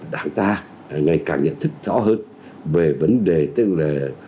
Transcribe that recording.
đáng ta ngày càng nhận thức rõ hơn về vấn đề tức là sắp xếp tổ chức bộ máy